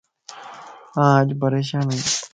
آن اڄ پريشان ائي